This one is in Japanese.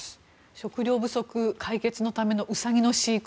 食糧不足解決のためのウサギの飼育。